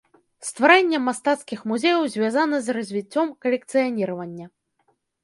Стварэнне мастацкіх музеяў звязана з развіццём калекцыяніравання.